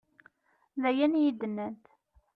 D ayen i yi-d-nnant.